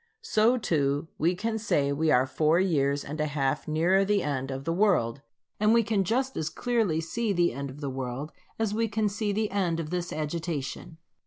So too we can say we are four years and a half nearer the end of the world; and we can just as clearly see the end of the world as we can see the end of this agitation.